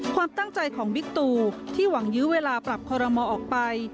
ความตั้งใจของบิ๊กตูที่หวังยื้อเวลาปรับคอรมอออกไป